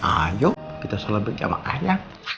ayo kita selamat berjamakannya